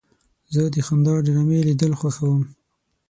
زه د خندا ډرامې لیدل خوښوم.